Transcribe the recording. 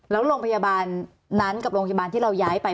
แล้วโรงพยาบาลนั้นกับโรงพยาบาลที่เราย้ายไป